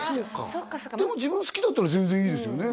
そうかでも自分好きだったら全然いいですよね